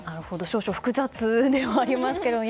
少々複雑ではありますけども。